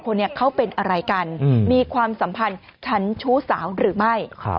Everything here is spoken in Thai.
คนนี้เขาเป็นอะไรกันมีความสัมพันธ์ชั้นชู้สาวหรือไม่